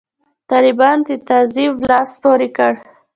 طالبانو د تعذیب لاس پورې کړ.